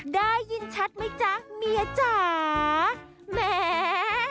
ได้ยินชัดไหมจ๊ะเมียจ๋าแหม